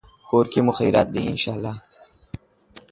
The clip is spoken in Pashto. کور کې مو خیریت دی، ان شاءالله